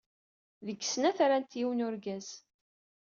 Deg snat rant yiwen n urgaz.